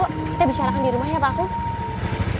kita bicarakan di rumah ya pak aku